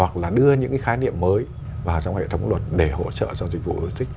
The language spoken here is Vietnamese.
hoặc là đưa những cái khái niệm mới vào trong hệ thống luật để hỗ trợ cho dịch vụ logistics